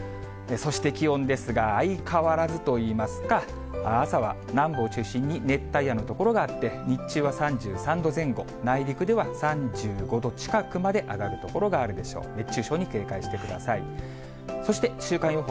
そして気温ですが、相変わらずといいますか、朝は南部を中心に熱帯夜の所があって、日中は３３度前後、内陸では３５度近くまで上がる所があるでしょう。